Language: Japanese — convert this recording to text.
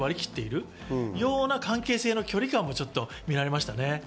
そのような関係性の距離感も見られましたね。